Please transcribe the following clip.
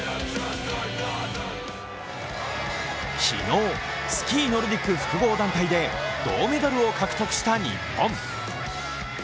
昨日、スキーノルディック複合団体で銅メダルを獲得した日本。